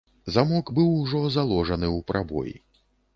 Замок быў ужо заложаны ў прабой.